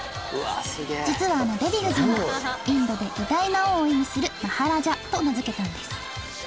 実はあのデヴィ夫人がインドで「偉大な王」を意味するマハラジャと名付けたんです